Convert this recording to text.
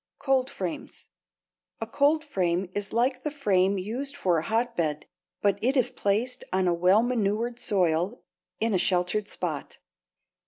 =Cold Frames.= A cold frame is like the frame used for a hotbed, but it is placed on well manured soil in a sheltered spot.